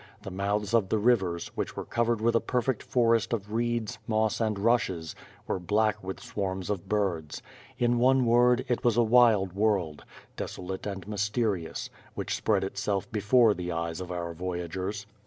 The mouths of the rivers, which were covered with a perfect forest of reeds, moss, and rushes, were black with swarms of birds; in one word, it was a wild world, desolate and mysterious, which spread itself before the eyes of our voyagers.